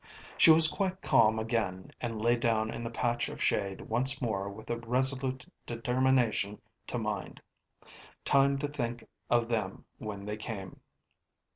She was quite calm again and lay down in the patch of shade once more with a resolute determination to mind. Time to think of them when they came.